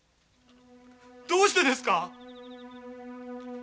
どうしてですか？